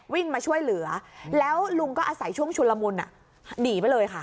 วิ่งมาช่วยเหลือแล้วลุงก็อาศัยช่วงชุนละมุนหนีไปเลยค่ะ